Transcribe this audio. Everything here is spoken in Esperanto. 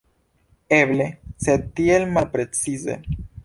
Eble, sed tiel malprecize.